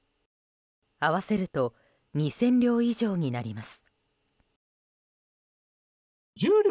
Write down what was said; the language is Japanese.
合わせると２０００両以上になります。